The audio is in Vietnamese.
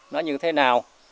nó như thế nào